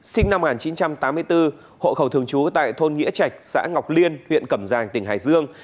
sinh năm một nghìn chín trăm tám mươi bốn hộ khẩu thường trú tại thôn nghĩa trạch xã ngọc liên huyện cẩm giang tỉnh hải dương